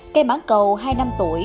cây mãn cầu hai năm tuổi